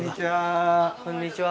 こんにちは。